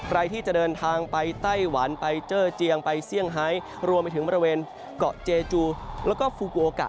ใครที่จะเดินทางไปไต้หวันไปเจอเจียงไปเซี่ยงไฮรวมไปถึงบริเวณเกาะเจจูแล้วก็ฟูโกกะ